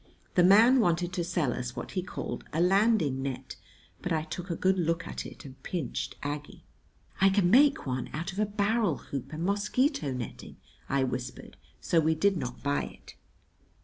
The man wanted to sell us what he called a "landing net," but I took a good look at it and pinched Aggie. "I can make one out of a barrel hoop and mosquito netting," I whispered; so we did not buy it.